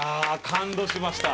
感動しました。